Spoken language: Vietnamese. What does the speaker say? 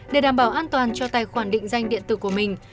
để đảm bảo an toàn cho tài khoản định danh điện tử của mình